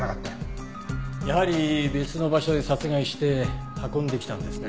やはり別の場所で殺害して運んできたんですね。